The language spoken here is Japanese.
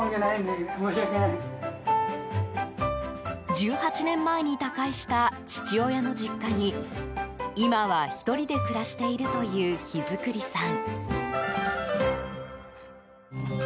１８年前に他界した父親の実家に今は、１人で暮らしているという桧作さん。